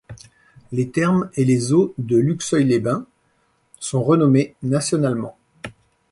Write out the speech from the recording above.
Les thermes et les eaux de Luxeuil-lès-Bains sont renommés nationalement.